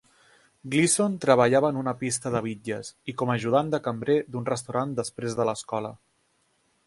Gleason treballava en una pista de bitlles i com a ajudant de cambrer d'un restaurant després de l'escola.